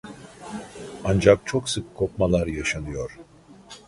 Ancak çok sık kopmalar yaşanıyor